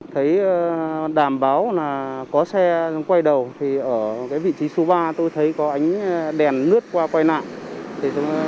thấy đàm báo là có xe quay đầu thì ở vị trí số ba tôi thấy có ánh đèn lướt qua quay nạn